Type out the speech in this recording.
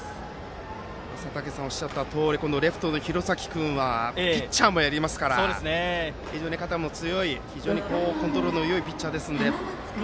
佐竹さんがおっしゃったとおりレフトの廣崎君はピッチャーもやりますから非常に肩も強くコントロールもよいピッチャーですね。